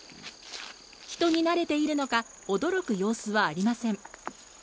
人に慣れているのか、驚く様子はありません。